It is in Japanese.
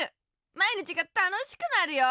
まいにちがたのしくなるよ！